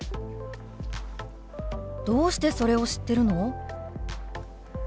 「どうしてそれを知ってるの？」。